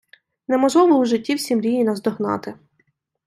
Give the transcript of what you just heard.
Неможливо у житті всі мрії наздогнати